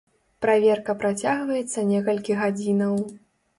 Праверка працягваецца некалькі гадзінаў.